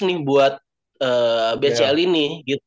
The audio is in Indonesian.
nih buat bcl ini